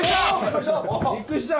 びっくりした！